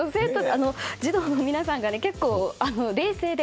児童の皆さんが結構冷静で。